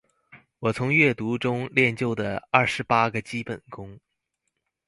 我從閱讀中練就的二十八個基本功